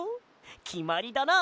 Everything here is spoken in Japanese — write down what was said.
きまりだな！